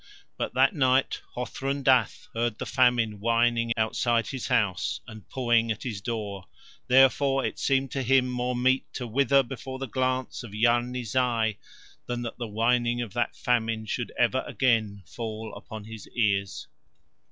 But that night Hothrun Dath heard the Famine whining outside his house and pawing at his door; therefore, it seemed to him more meet to wither before the glance of Yarni Zai than that the whining of that Famine should ever again fall upon his ears.